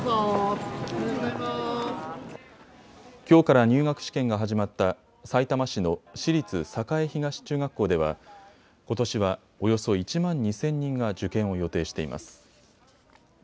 きょうから入学試験が始まったさいたま市の私立栄東中学校ではことしは、およそ１万２０００人が受験を予定しています。